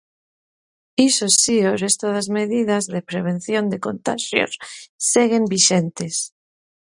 Iso sío resto das medidas de prevención de contaxios seguen vixentes.